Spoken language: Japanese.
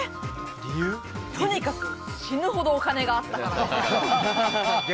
とにかく死ぬほどお金があったからです。